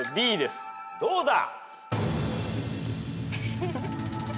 どうだ？